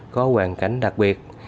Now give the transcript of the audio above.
có hoàn cảnh đặc biệt